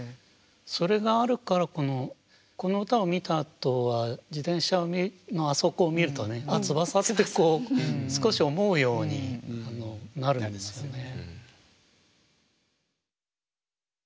それがあるからこの歌を見たあとは自転車のあそこを見るとね「あっ翼」ってこう少し思うようになるんですよね。